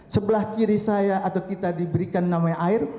sebelah kiri saya atau kita diberikan namanya air